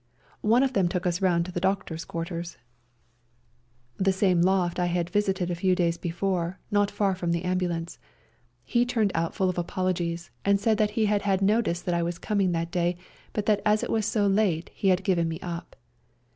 One of them took us round to the doctor's quarters. REJOINING THE SERBIANS 19 the same loft I had visited a few days before, not far from the ambulance. He turned out full of apologies, and said that he had had notice that I was coming that day, but that as it was so late he had given me up.